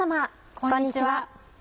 こんにちは。